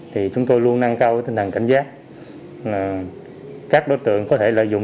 thì chúng tôi luôn nâng cao tình hình cảnh giác các đối tượng có thể lợi dụng